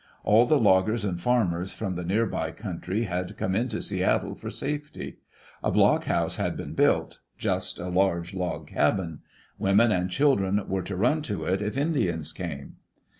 All the loggers and farmers from the near by country had come into Seattle for safety. A block house had been built — just a large log cabin. Women and children were to run to it if Indians came.